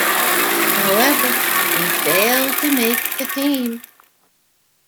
However, he failed to make the team.